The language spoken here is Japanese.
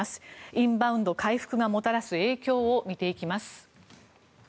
インバウンド回復がもたらす影響を見ていきます。